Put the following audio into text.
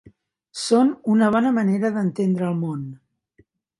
Són una bona manera d'entendre el món.